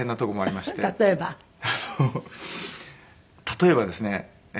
例えばですね